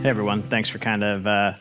Hey, everyone. Thanks for kind of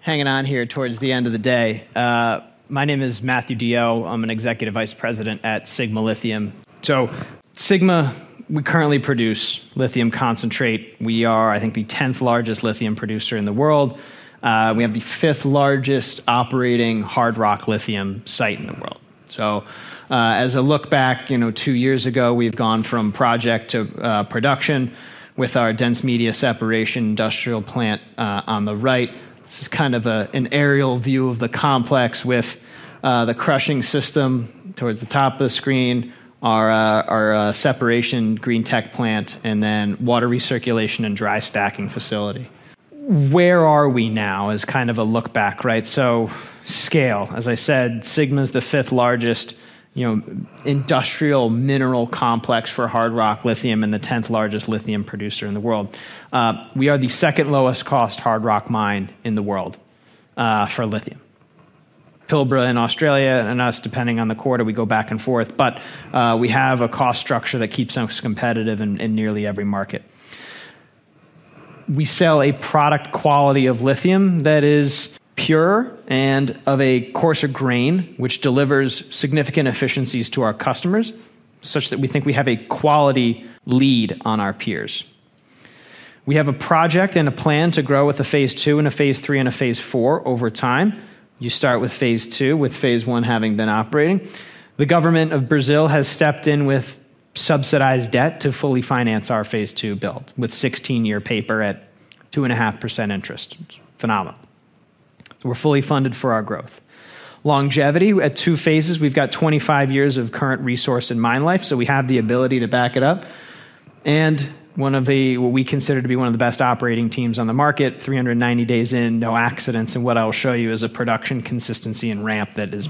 hanging on here towards the end of the day. My name is Matthew DeYoe. I'm an Executive Vice President at Sigma Lithium, so Sigma, we currently produce lithium concentrate. We are, I think, the 10th largest lithium producer in the world. We have the 5th largest operating hard rock lithium site in the world, so as a look back, you know, two years ago, we've gone from project to production with our dense media separation industrial plant on the right. This is kind of an aerial view of the complex with the crushing system towards the top of the screen, our our separation Greentech Plant, and then water recirculation and dry stacking facility. Where are we now as kind of a look back, right? So scale, as I said, Sigma is the fifth largest, you know, industrial mineral complex for hard rock lithium and the 10th largest lithium producer in the world. We are the second lowest cost hard rock mine in the world for lithium. Pilbara in Australia and us, depending on the quarter, we go back and forth. But we have a cost structure that keeps us competitive in nearly every market. We sell a product quality of lithium that is pure and of a coarser grain, which delivers significant efficiencies to our customers, such that we think we have a quality lead on our peers. We have a project and a plan to grow with a phase II and a phase III and a phase IV over time. You start with phase two, with phase one having been operating. The government of Brazil has stepped in with subsidized debt to fully finance our phase II build with 16-year paper at 2.5% interest. Phenomenal. We're fully funded for our growth. Longevity at two phases. We've got 25 years of current resource and mine life, so we have the ability to back it up, and one of the, what we consider to be one of the best operating teams on the market, 390 days in, no accidents, and what I'll show you is a production consistency and ramp that is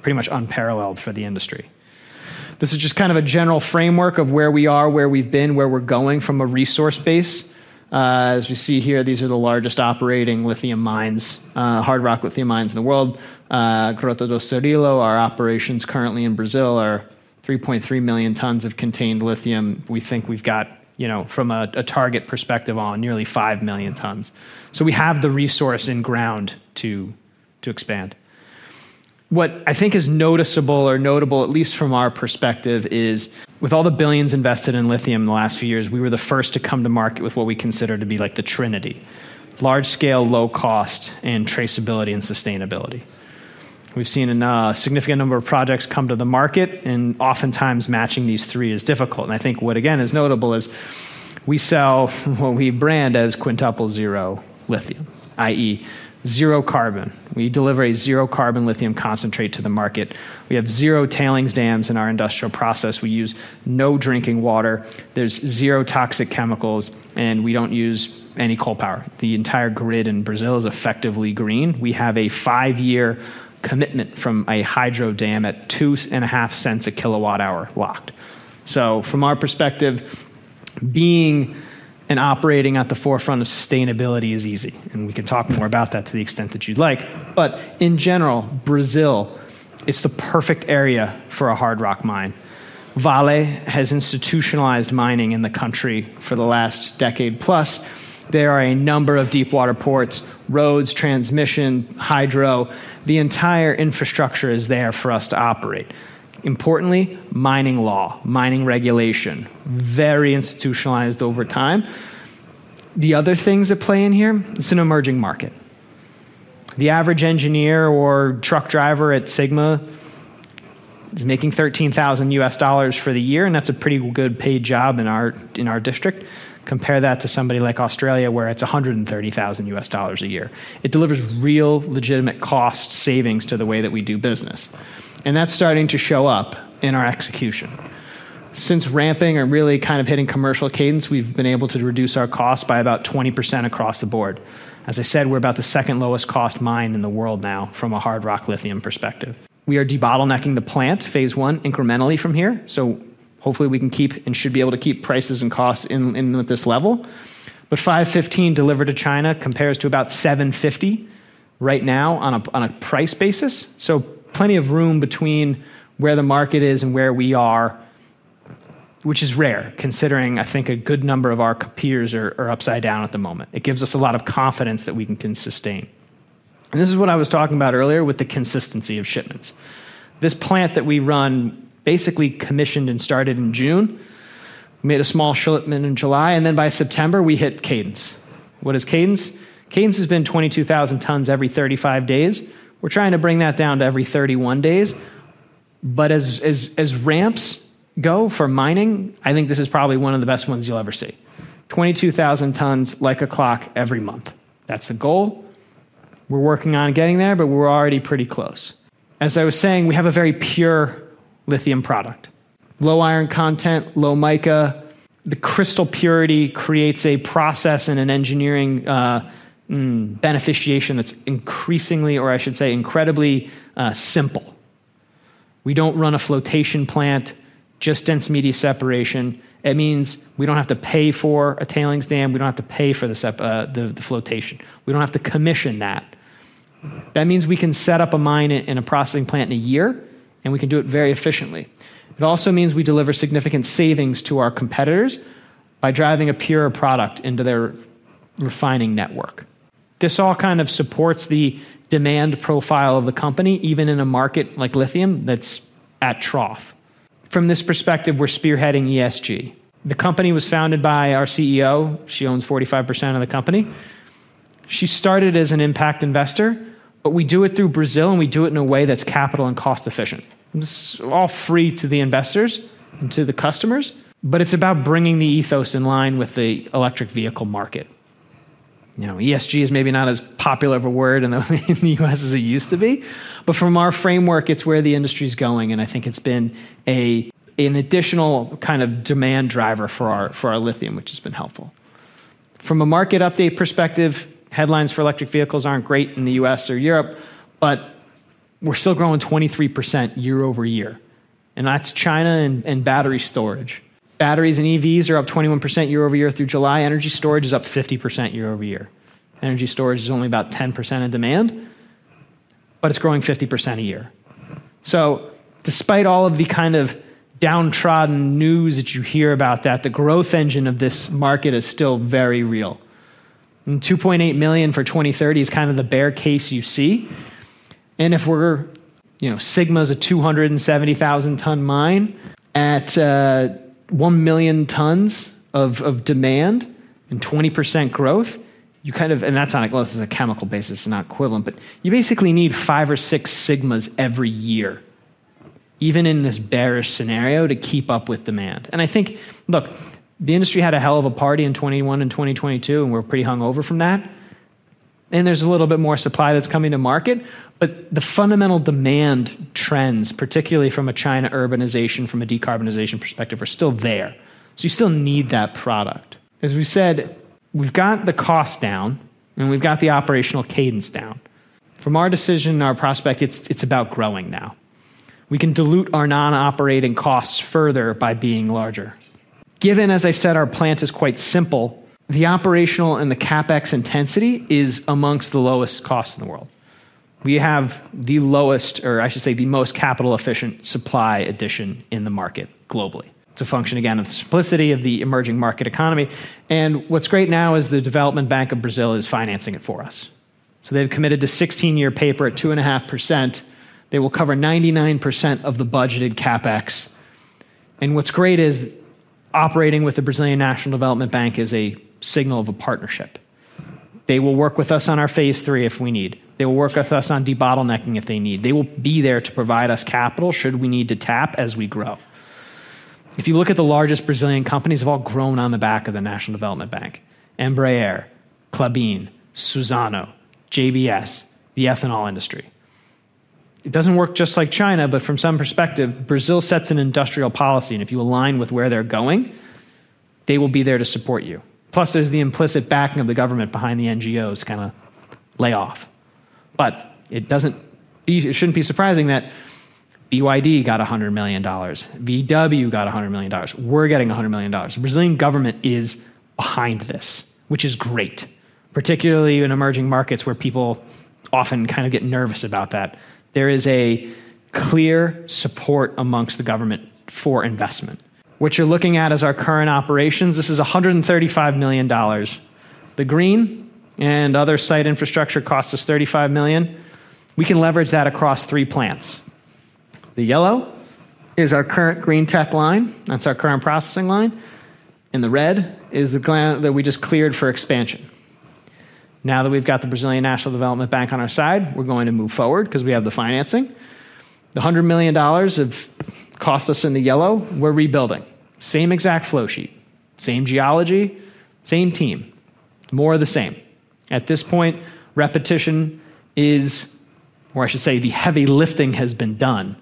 pretty much unparalleled for the industry. This is just kind of a general framework of where we are, where we've been, where we're going from a resource base. As you see here, these are the largest operating lithium mines, hard rock lithium mines in the world. Grota do Cirilo, our operations currently in Brazil are 3.3 million tons of contained lithium. We think we've got, you know, from a target perspective on nearly five million tons. So we have the resource and ground to to expand. What I think is noticeable or notable, at least from our perspective, is with all the billions invested in lithium in the last few years, we were the first to come to market with what we consider to be like the trinity: large scale, low cost, and traceability and sustainability. We've seen a significant number of projects come to the market, and oftentimes matching these three is difficult. And I think what, again, is notable is we sell what we brand as Quintuple Zero lithium, i.e., zero carbon. We deliver a zero carbon lithium concentrate to the market. We have zero tailings dams in our industrial process. We use no drinking water. There's zero toxic chemicals, and we don't use any coal power. The entire grid in Brazil is effectively green. We have a five-year commitment from a hydro dam at $0.025 a kilowatt hour locked. So, from our perspective, being and operating at the forefront of sustainability is easy. And we can talk more about that to the extent that you'd like. But in general, Brazil, it's the perfect area for a hard rock mine. Vale has institutionalized mining in the country for the last decade plus. There are a number of deep water ports, roads, transmission, hydro. The entire infrastructure is there for us to operate. Importantly, mining law, mining regulation, very institutionalized over time. The other things that play in here, it's an emerging market. The average engineer or truck driver at Sigma is making $13,000 for the year, and that's a pretty good paid job in our district. Compare that to somebody like Australia, where it's $130,000 a year. It delivers real, legitimate cost savings to the way that we do business. And that's starting to show up in our execution. Since ramping and really kind of hitting commercial cadence, we've been able to reduce our cost by about 20% across the board. As I said, we're about the second lowest cost mine in the world now from a hard rock lithium perspective. We are debottlenecking the plant, phase I, incrementally from here. So hopefully we can keep and should be able to keep prices and costs in in at this level. But $515 delivered to China compares to about $750 right now on a price basis. So plenty of room between where the market is and where we are, which is rare, considering, I think, a good number of our peers are upside down at the moment. It gives us a lot of confidence that we can sustain. This is what I was talking about earlier with the consistency of shipments. This plant that we run basically commissioned and started in June, made a small shipment in July, and then by September we hit cadence. What is cadence? Cadence has been 22,000 tons every 35 days. We're trying to bring that down to every 31 days. But as as ramps go for mining, I think this is probably one of the best ones you'll ever see. 22,000 tons like a clock every month. That's the goal. We're working on getting there, but we're already pretty close. As I was saying, we have a very pure lithium product. Low iron content, low mica. The crystal purity creates a process and an engineering beneficiation that's increasingly, or I should say, incredibly simple. We don't run a flotation plant, just dense media separation. That means we don't have to pay for a tailings dam. We don't have to pay for the flotation. We don't have to commission that. That means we can set up a mine in a processing plant in a year, and we can do it very efficiently. It also means we deliver significant savings to our competitors by driving a pure product into their refining network. This all kind of supports the demand profile of the company, even in a market like lithium that's at trough. From this perspective, we're spearheading ESG. The company was founded by our CEO. She owns 45% of the company. She started as an impact investor, but we do it through Brazil, and we do it in a way that's capital and cost efficient. It's all free to the investors and to the customers, but it's about bringing the ethos in line with the electric vehicle market. You know, ESG is maybe not as popular of a word in the U.S. as it used to be, but from our framework, it's where the industry is going, and I think it's been a an additional kind of demand driver for our for our lithium, which has been helpful. From a market update perspective, headlines for electric vehicles aren't great in the U.S. or Europe, but we're still growing 23% year over year, and that's China and and battery storage. Batteries and EVs are up 21% year over year through July. Energy storage is up 50% year over year. Energy storage is only about 10% in demand, but it's growing 50% a year. So despite all of the kind of downtrodden news that you hear about that, the growth engine of this market is still very real. 2.8 million for 2030 is kind of the bear case you see. And if we're, you know, Sigma is a 270,000 ton mine at 1 million tons of of demand and 20% growth, you kind of, and that's on a, well, this is a chemical basis, not equivalent, but you basically need five or six Sigmas every year, even in this bearish scenario, to keep up with demand. And I think, look, the industry had a hell of a party in 2021 and 2022, and we're pretty hungover from that. And there's a little bit more supply that's coming to market, but the fundamental demand trends, particularly from a China urbanization, from a decarbonization perspective, are still there. You still need that product. As we said, we've got the cost down, and we've got the operational cadence down. From our decision our prospect, it's about growing now. We can dilute our non-operating costs further by being larger. Given, as I said, our plant is quite simple, the operational and the CapEx intensity is among the lowest costs in the world. We have the lowest, or I should say the most capital efficient supply addition in the market globally. It's a function, again, of the simplicity of the emerging market economy. And what's great now is the Development Bank of Brazil is financing it for us. They've committed to 16-year paper at 2.5%. They will cover 99% of the budgeted CapEx. And what's great is operating with the Brazilian National Development Bank is a signal of a partnership. They will work with us on our phase III if we need. They will work with us on debottlenecking if they need. They will be there to provide us capital should we need to tap as we grow. If you look at the largest Brazilian companies, they've all grown on the back of the National Development Bank: Embraer, Klabin, Suzano, JBS, the ethanol industry. It doesn't work just like China, but from some perspective, Brazil sets an industrial policy, and if you align with where they're going, they will be there to support you. Plus, there's the implicit backing of the government behind the NGOs kind of lay off. But it doesn't, it shouldn't be surprising that BYD got $100 million. VW got $100 million. We're getting $100 million. The Brazilian government is behind this, which is great, particularly in emerging markets where people often kind of get nervous about that. There is a clear support amongst the government for investment. What you're looking at as our current operations, this is $135 million. The green and other site infrastructure costs us $35 million. We can leverage that across three plants. The yellow is our current Greentech line. That's our current processing line. And the red is the plant that we just cleared for expansion. Now that we've got the Brazilian National Development Bank on our side, we're going to move forward because we have the financing. The $100 million that cost us in the yellow, we're rebuilding. Same exact flow sheet, same geology, same team, more of the same. At this point, repetition is, or I should say the heavy lifting has been done.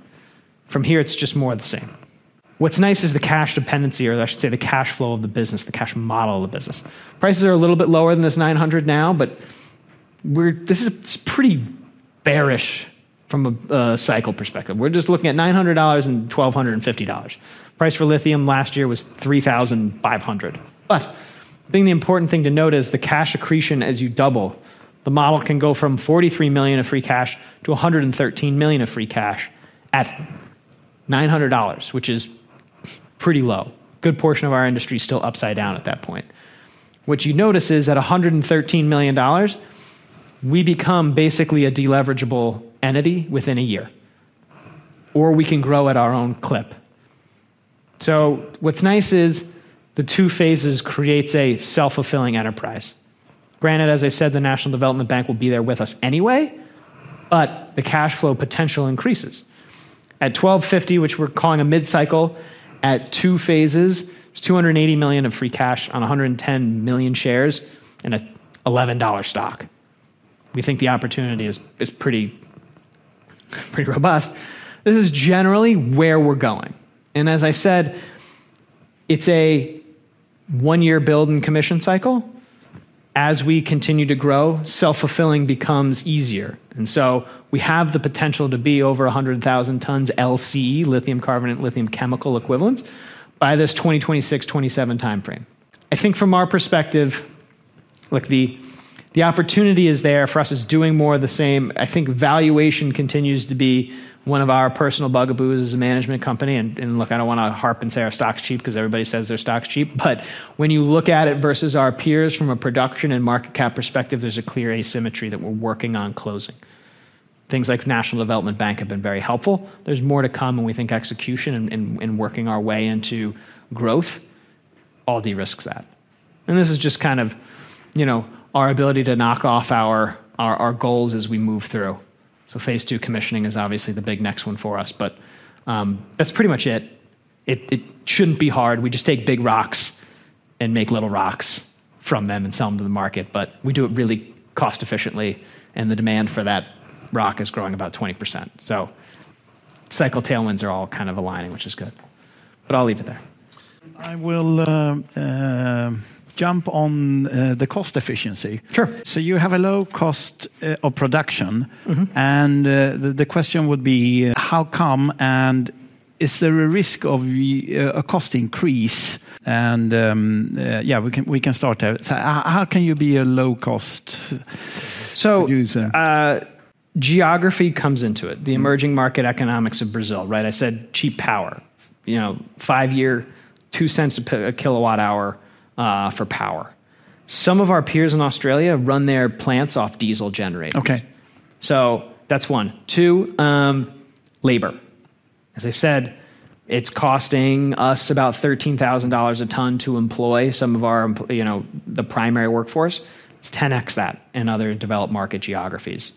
From here, it's just more of the same. What's nice is the cash dependency, or I should say the cash flow of the business, the cash model of the business. Prices are a little bit lower than this $900 now, but this is pretty bearish from a cycle perspective. We're just looking at $900 and $1,250. Price for lithium last year was $3,500. But I think the important thing to note is the cash accretion as you double. The model can go from $43 million of free cash to $113 million of free cash at $900, which is pretty low. A good portion of our industry is still upside down at that point. What you notice is at $113 million, we become basically a deleveragable entity within a year, or we can grow at our own clip. So what's nice is the two phases creates a self-fulfilling enterprise. Granted, as I said, the National Development Bank will be there with us anyway, but the cash flow potential increases. At $1,250, which we're calling a mid-cycle, at two phases, it's $280 million of free cash on 110 million shares and an $11 stock. We think the opportunity is is pretty pretty robust. This is generally where we're going. And as I said, it's a one-year build and commission cycle. As we continue to grow, self-fulfilling becomes easier. And so we have the potential to be over 100,000 tons LCE, lithium carbonate and lithium chemical equivalent, by this 2026-27 timeframe. I think from our perspective, look, the the opportunity is there for us at doing more of the same. I think valuation continues to be one of our personal bugaboos as a management company. And and look, I don't want to harp and say our stock's cheap because everybody says their stock's cheap, but when you look at it versus our peers from a production and market cap perspective, there's a clear asymmetry that we're working on closing. Things like National Development Bank have been very helpful. There's more to come, and we think execution and and working our way into growth, all de risks that. And this is just kind of, you know, our ability to knock off our our goals as we move through. So phase two commissioning is obviously the big next one for us, but that's pretty much it. It it shouldn't be hard. We just take big rocks and make little rocks from them and sell them to the market, but we do it really cost efficiently, and the demand for that rock is growing about 20%. So cycle tailwinds are all kind of aligning, which is good. But I'll leave it there. I will jump on the cost efficiency. Sure. So you have a low cost of production, and the question would be, how come and is there a risk of a cost increase? And yeah, we can start there. How can you be a low cost user? So geography comes into it. The emerging market economics of Brazil, right? I said cheap power, you know, five-year $0.02 a kilowatt hour for power. Some of our peers in Australia run their plants off diesel generators. Okay. So that's one. Two, labor. As I said, it's costing us about $13,000 a ton to employ some of our, you know, the primary workforce. It's 10x that in other developed market geographies.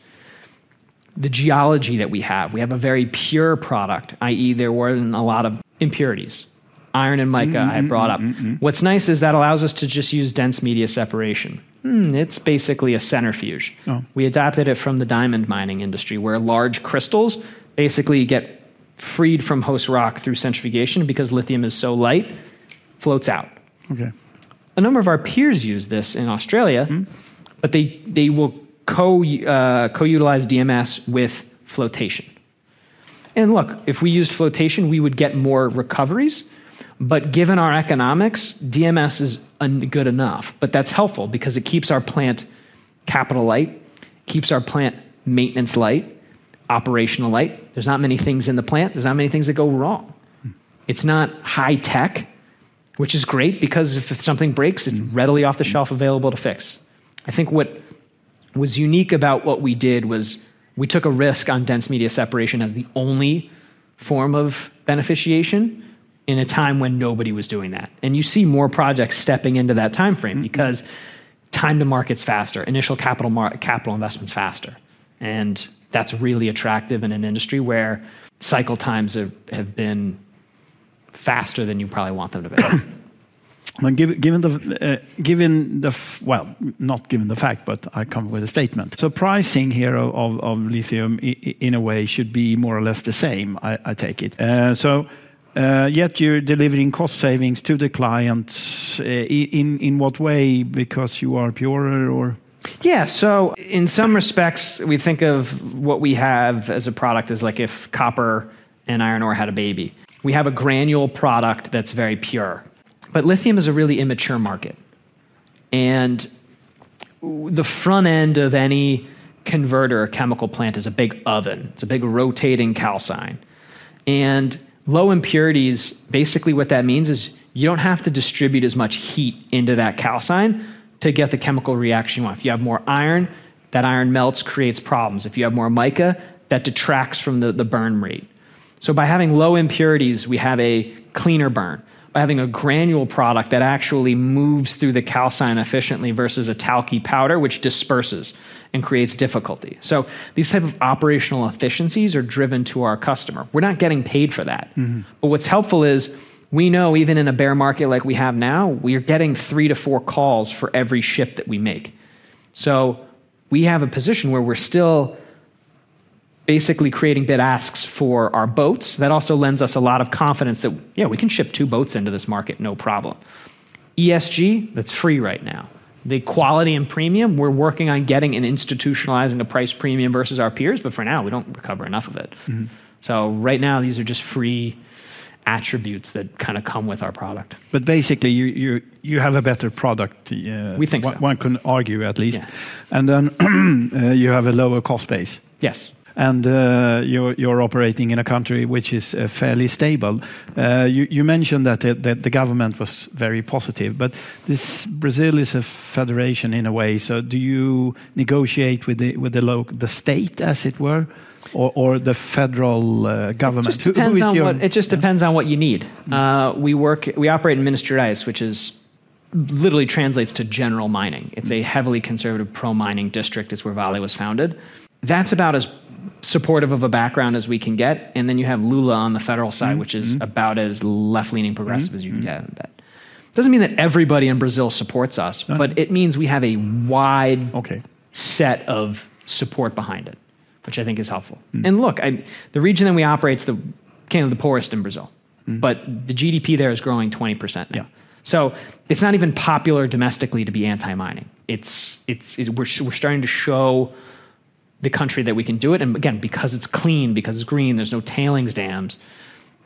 The geology that we have, we have a very pure product, i.e., there weren't a lot of impurities. Iron and mica I had brought up. What's nice is that allows us to just use dense media separation. It's basically a centrifuge. We adapted it from the diamond mining industry where large crystals basically get freed from host rock through centrifugation because lithium is so light, floats out. Okay. A number of our peers use this in Australia, but they they will co-utilize DMS with flotation. And look, if we used flotation, we would get more recoveries, but given our economics, DMS is good enough, but that's helpful because it keeps our plant capital light, keeps our plant maintenance light, operational light. There's not many things in the plant. There's not many things that go wrong. It's not high tech, which is great because if something breaks, it's readily off the shelf available to fix. I think what was unique about what we did was we took a risk on dense media separation as the only form of beneficiation in a time when nobody was doing that. And you see more projects stepping into that timeframe because time to market's faster, initial capital investment's faster, and that's really attractive in an industry where cycle times have have been faster than you probably want them to be. Thankyou. Given given the, well, not given the fact, but I come with a statement. So pricing here of of lithium in a way should be more or less the same, I'll take it. So yet you're delivering cost savings to the clients in in what way? Because you are purer or? Yeah, so in some respects, we think of what we have as a product as like if copper and iron ore had a baby. We have a granular product that's very pure, but lithium is a really immature market. And the front end of any converter or chemical plant is a big oven. It's a big rotating calcine. And low impurities, basically what that means is you don't have to distribute as much heat into that calcine to get the chemical reaction you want. If you have more iron, that iron melts, creates problems. If you have more mica, that detracts from the burn rate. So by having low impurities, we have a cleaner burn. By having a granular product that actually moves through the calcine efficiently versus a tacky powder, which disperses and creates difficulty. So these types of operational efficiencies are driven to our customer. We're not getting paid for that. But what's helpful is we know even in a bear market like we have now, we are getting three to four calls for every ship that we make. So we have a position where we're still basically creating bid asks for our boats. That also lends us a lot of confidence that, yeah, we can ship two boats into this market, no problem. ESG, that's free right now. The quality and premium, we're working on getting and institutionalizing the price premium versus our peers, but for now, we don't recover enough of it. So right now, these are just free attributes that kind of come with our product. But basically, you you have a better product. We think so. One can argue at least. And then you have a lower cost base. Yes. And you're you're operating in a country which is fairly stable. You you mentioned that the the government was very positive, but this Brazil is a federation in a way. So do you negotiate with the with the state as it were or the federal government? It just depends on it just depends on what you need. We work we operate in Minas Gerais, which literally translates to general mining. It's a heavily conservative pro-mining district as where Vale was founded. That's about as supportive of a background as we can get. And then you have Lula on the federal side, which is about as left-leaning progressive as you can get. It doesn't mean that everybody in Brazil supports us, but it means we have a wide set of support behind it, which I think is helpful. And look, the region that we operate is the poorest in Brazil, but the GDP there is growing 20% now. So it's not even popular domestically to be anti-mining. It's it's we're starting to show the country that we can do it. And again, because it's clean, because it's green, there's no tailings dams,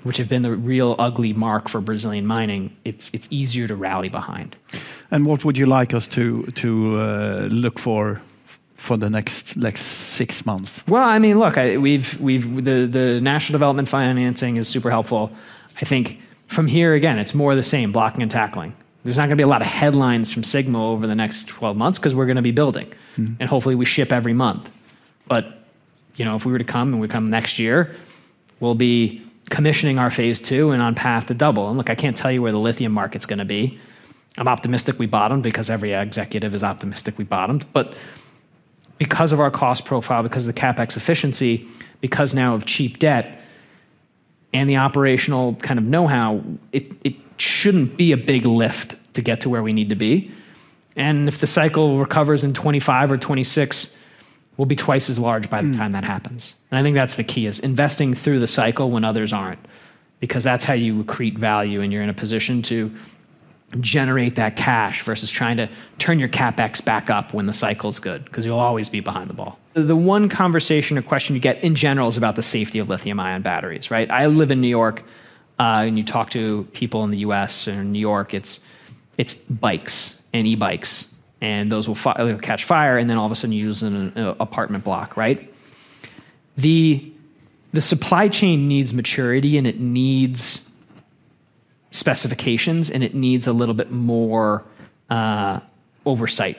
which have been the real ugly mark for Brazilian mining, it's it's easier to rally behind. And what would you like us to to look for for the like next six months? Well, I mean, look, we we the national development financing is super helpful. I think from here, again, it's more of the same, blocking and tackling. There's not going to be a lot of headlines from Sigma over the next 12 months because we're going to be building. And hopefully, we ship every month. But you know if we're to come and we come next year, we'll be commissioning our phase two and on path to double. And look, I can't tell you where the lithium market's going to be. I'm optimistic we bottomed because every executive is optimistic we bottomed. But because of our cost profile, because of the CapEx efficiency, because now of cheap debt and the operational kind of know-how, it it shouldn't be a big lift to get to where we need to be. And if the cycle recovers in 2025 or 2026, we'll be twice as large by the time that happens. And I think that's the key is investing through the cycle when others aren't because that's how you accrete value and you're in a position to generate that cash versus trying to turn your CapEx back up when the cycle's good because you'll always be behind the ball. The one conversation or question you get in general is about the safety of lithium-ion batteries, right? I live in New York and you talk to people in the U.S. and in New York, it's it's bikes and e-bikes and those will catch fire and then all of a sudden you lose an apartment block, right? The the supply chain needs maturity and it needs specifications and it needs a little bit more oversight.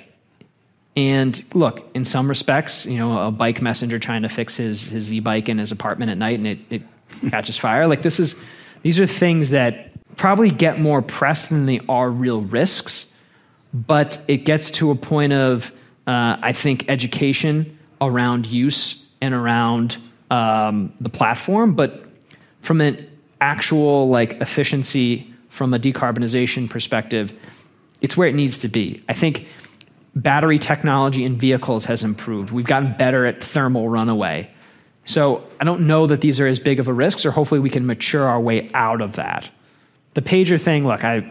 And look, in some respects, you know a bike messenger trying to fix his e-bike in his apartment at night and it catches fire. Like this is these are things that probably get more press than they are real risks, but it gets to a point of, I think, education around use and around the platform. But from an actual like efficiency, from a decarbonization perspective, it's where it needs to be. I think battery technology in vehicles has improved. We've gotten better at thermal runaway. So I don't know that these are as big of a risk or hopefully we can mature our way out of that. The pager thing, look, I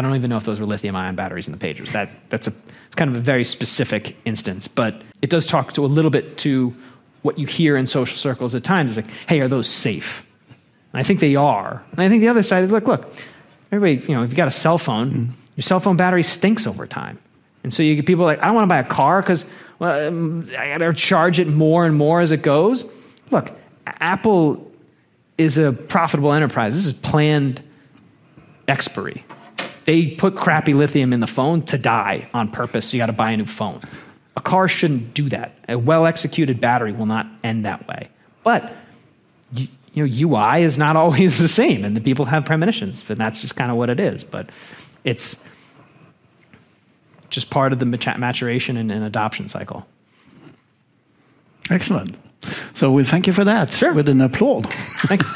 don't even know if those were lithium-ion batteries in the pagers. But that's kind of a very specific instance, but it does talk to a little bit to what you hear in social circles at times is like, "Hey, are those safe?" I think they are. And I think the other side is, look, look, everybody, you know, if you've got a cell phone, your cell phone battery stinks over time. And so you get people like, "I don't want to buy a car because I got to charge it more and more as it goes." Look, Apple is a profitable enterprise. This is planned expiry. They put crappy lithium in the phone to die on purpose. You got to buy a new phone. A car shouldn't do that. A well-executed battery will not end that way. But you know UI is not always the same and the people have premonitions and that's just kind of what it is. But it's just part of the maturation and adoption cycle. Excellent. So we thank you for that with an applause.